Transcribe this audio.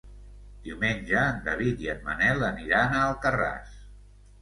Diumenge en David i en Manel aniran a Alcarràs.